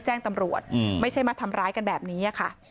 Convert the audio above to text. แจ้งตำรวจไม่ใช่มาทำร้ายกันแบบนี้ค่ะ